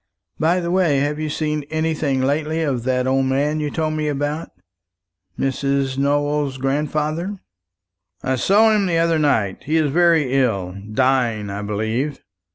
By the way, have you seen anything lately of that old man you told me about Miss Nowell's grandfather?" "I saw him the other night. He is very ill dying, I believe.